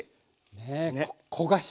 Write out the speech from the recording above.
ね焦がし